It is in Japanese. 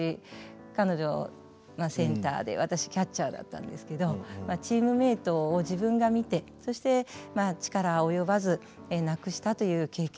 彼女がセンターで私キャッチャーだったんですけどチームメートを自分が診てそして力及ばず亡くしたという経験